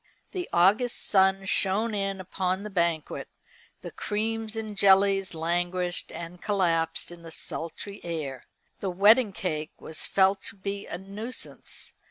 The August sun shone in upon the banquet, the creams and jellies languished and collapsed in the sultry air. The wedding cake was felt to be a nuisance.